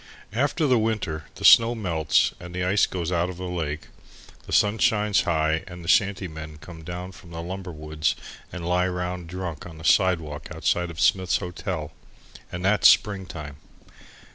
After the winter, the snow melts and the ice goes out of the lake, the sun shines high and the shanty men come down from the lumber woods and lie round drunk on the sidewalk outside of Smith's Hotel and that's spring time.